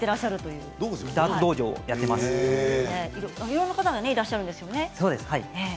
いろんな方がいらっしゃるんですよね。